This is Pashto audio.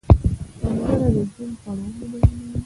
سندره د ژوند پړاوونه بیانوي